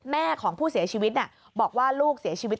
แม่ของผู้เสียชีวิตบอกว่าลูกเสียชีวิต